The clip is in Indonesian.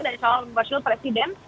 dan salon marshal presiden